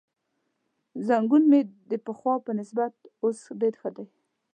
زنګون مې د پخوا په نسبت اوس ډېر ښه دی.